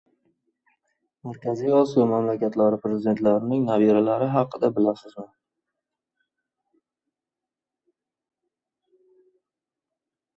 Markaziy Osiyo mamlakatlari prezidentlarining nabiralari haqida bilasizmi?